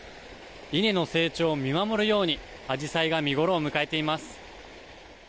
稲の成長を見守るようにアジサイが見ごろを迎えています。